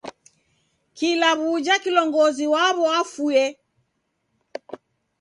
Kila w'uja kilongozi waw'o wafue.